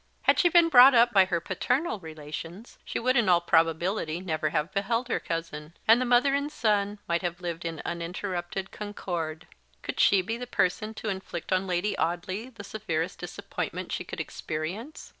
Had she been brought up by her paternal relations, she would in all probability never have beheld her cousin; and the mother and son might have lived in uninterrupted concord. Could she be the person to inflict on Lady Audley the severest disappointment she could experience?